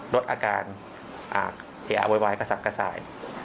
ลดอาการเออะโวยวายกระสับกระส่าย